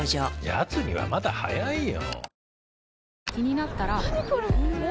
やつにはまだ早いよ。